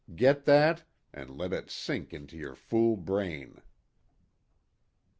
Get that, and let it sink into your fool brain."